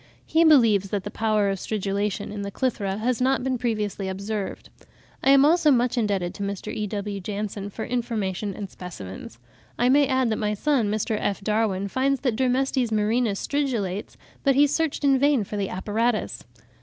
He believes that the power of stridulation in the Clythra has not been previously observed. I am also much indebted to Mr. E.W. Janson, for information and specimens. I may add that my son, Mr. F. Darwin, finds that Dermestes murinus stridulates, but he searched in vain for the apparatus.